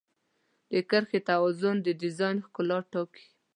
د کرښې توازن د ډیزاین ښکلا ټاکي.